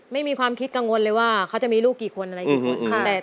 ไม่มีความคิดกังวลเลยว่าเขาจะมีลูกกี่คนอะไรกี่คน